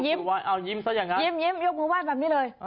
ยิ้มยิ้มยิ้มยกมือวาดแบบนี้เลย